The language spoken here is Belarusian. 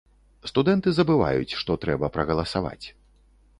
Студэнты забываюць, што трэба прагаласаваць.